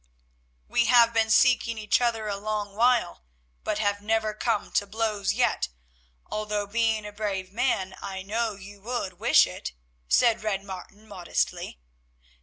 "We have been seeking each other a long while, but have never come to blows yet, although, being a brave man, I know you would wish it," said Red Martin modestly.